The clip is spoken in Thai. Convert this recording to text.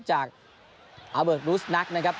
จากอาเวิร์ดลูสนัคนะครับ